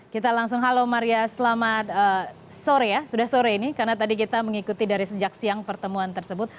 kita langsung halo maria selamat sore ya sudah sore ini karena tadi kita mengikuti dari sejak siang pertemuan tersebut